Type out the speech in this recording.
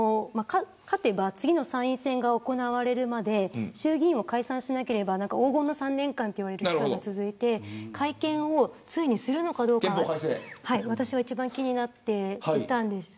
勝てば次の参院選が行われるまで衆議院を解散しなければ黄金の３年間と呼ばれる期間が続いて改憲をついにするのかどうか私は一番気になっていたんです。